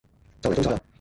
就嚟做晒喇